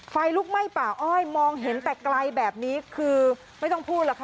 ไฟลุกไหม้ป่าอ้อยมองเห็นแต่ไกลแบบนี้คือไม่ต้องพูดหรอกค่ะ